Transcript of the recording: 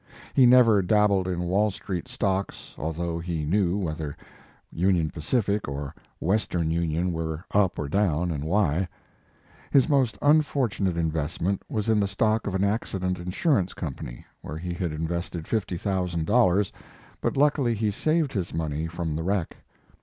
He never dabbled in Wall street stocks, although he knew whether Union Pacific or Western Union, were up or down and why. His most unfortu nate investment was in the stock of an accident insurance company, where he had invested $50,000, but luckily he saved his money from the wreck.